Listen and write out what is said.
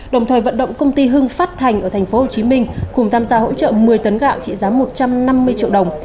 đồng thời vận động công ty hưng phát thành ở tp hcm cùng tham gia hỗ trợ một mươi tấn gạo trị giá một trăm năm mươi triệu đồng